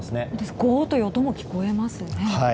ゴーっという音も聞こえますね。